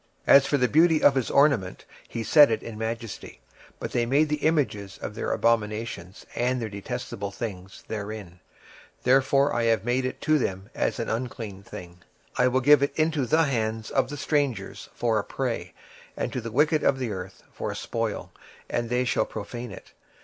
26:007:020 As for the beauty of his ornament, he set it in majesty: but they made the images of their abominations and of their detestable things therein: therefore have I set it far from them. 26:007:021 And I will give it into the hands of the strangers for a prey, and to the wicked of the earth for a spoil; and they shall pollute it.